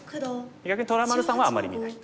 逆に虎丸さんはあんまり見ない。